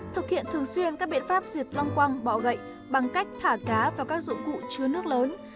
thực hiện thường xuyên các biện pháp diệt loang quăng bọ gậy bằng cách thả cá vào các dụng cụ chứa nước lớn